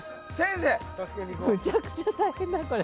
むちゃくちゃ大変だなこれ。